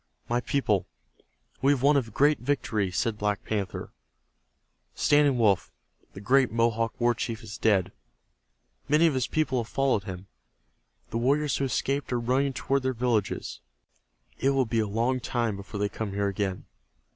"My people, we have won a great victory," said Black Panther. "Standing Wolf, the great Mohawk war chief, is dead. Many of his people have followed him. The warriors who escaped are running toward their villages. It will be a long time before they come here again.